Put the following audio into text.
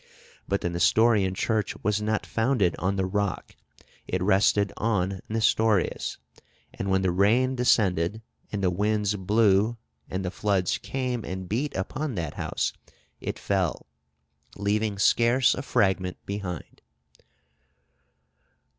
But the Nestorian Church was not founded on the Rock; it rested on Nestorius; and when the rain descended, and the winds blew, and the floods came, and beat upon that house, it fell, leaving scarce a fragment behind.